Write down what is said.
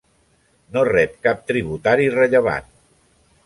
No rep cap tributari rellevant.